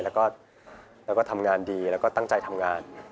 แล้วก็ทำงานดีแล้วก็ตั้งใจทำงาน